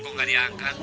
kok gak diangkat